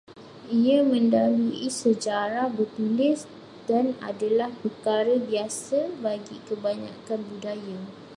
Ia mendahului sejarah bertulis dan adalah perkara biasa bagi kebanyakan budaya